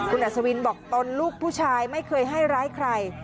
คุณอัศวินบอกตนลูกผู้ชายไม่เคยให้ร้ายใคร